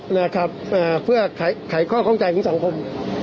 ใช่ครับเพื่อไขโคร่ข้องใจของสังคม